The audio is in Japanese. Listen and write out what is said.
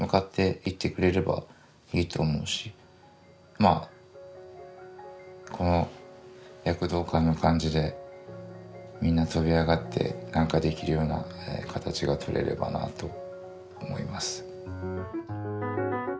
まあこの躍動感の感じでみんな跳び上がって何かできるようなかたちが取れればなと思います。